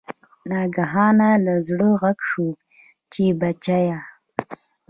ناګهانه له زړه غږ شو چې بچیه!